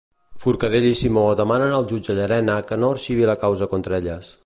Forcadell i Simó demanen al jutge Llarena que no arxivi la causa contra elles.